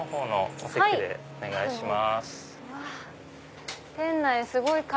お願いします。